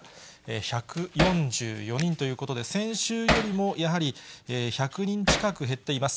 １４４人ということで、先週よりも、やはり１００人近く減っています。